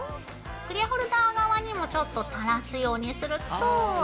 クリアホルダー側にもちょっと垂らすようにすると。